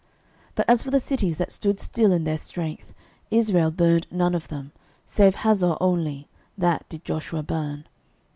06:011:013 But as for the cities that stood still in their strength, Israel burned none of them, save Hazor only; that did Joshua burn.